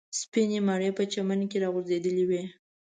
سپینې مڼې په چمن کې راغورځېدلې وې.